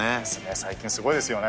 最近すごいですよね。